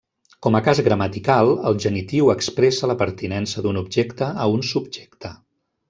Com a cas gramatical, el genitiu expressa la pertinença d'un objecte a un subjecte.